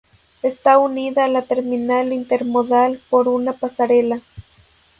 Está unida a la Terminal Intermodal por una pasarela.